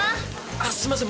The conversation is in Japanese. あっすいません。